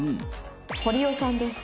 「堀尾さんです」。